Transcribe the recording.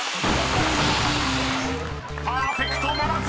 ［パーフェクトならず。